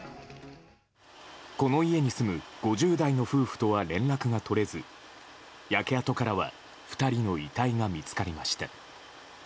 この家に住む５０代の夫婦とは連絡が取れず焼け跡からは２人の遺体が見つかりました。